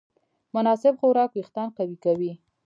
مناسب خوراک وېښتيان قوي کوي.